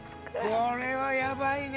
「これはやばいね」